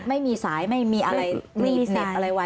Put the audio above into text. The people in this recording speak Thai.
ไม่มีสายไม่มีอะไรรีบเหน็บอะไรไว้